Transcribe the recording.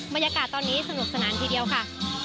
บรรยากาศตอนนี้สนุกสนานทีเดียวค่ะ